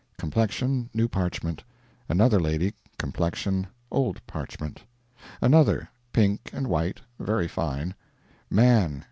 Complexion, new parchment. Another lady. Complexion, old parchment. Another. Pink and white, very fine. Man.